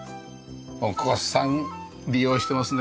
お子さん利用していますね